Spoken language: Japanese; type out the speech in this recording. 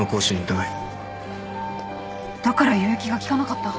だから輸液が効かなかった。